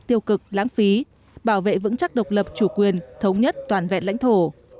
tiêu cực lãng phí bảo vệ vững chắc độc lập chủ quyền thống nhất toàn vẹn lãnh thổ